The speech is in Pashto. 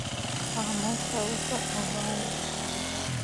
خاموشه اوسه او واوره.